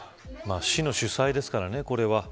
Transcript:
市の主催ですから、これは。